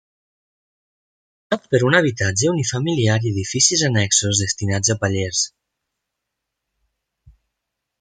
Format per un habitatge unifamiliar i edificis annexos destinats a pallers.